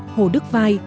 hồ đức vai